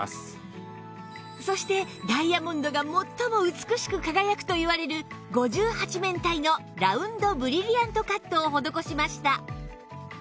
そしてダイヤモンドが最も美しく輝くといわれる５８面体のラウンドブリリアントカットを施しました